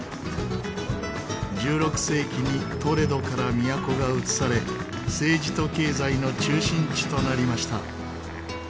１６世紀にトレドから都が移され政治と経済の中心地となりました。